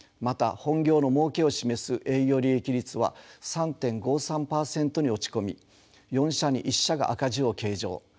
また本業のもうけを示す営業利益率は３．５３％に落ち込み４社に１社が赤字を計上。